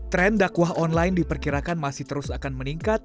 tren dakwah online diperkirakan masih terus akan meningkat